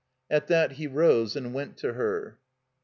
At that he rose and went to her.